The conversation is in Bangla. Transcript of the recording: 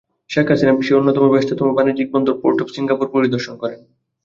শেখ হাসিনা বিশ্বের অন্যতম ব্যস্ততম বাণিজ্যিক বন্দর পোর্ট অব সিঙ্গাপুর পরিদর্শন করেন।